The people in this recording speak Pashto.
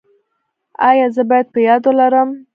ایا زه باید په یاد ولرم؟